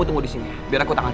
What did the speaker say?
tunggu disini biar aku tangan